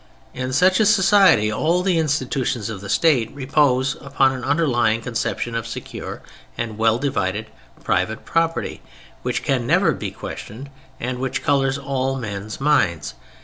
In such a society all the institutions of the state repose upon an underlying conception of secure and well divided private property which can never be questioned and which colors all men's minds.